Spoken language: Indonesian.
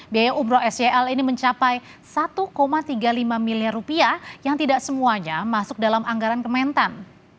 biaya umroh sel ini mencapai rp satu tiga puluh lima miliar rupiah yang tidak semuanya masuk dalam anggaran kementan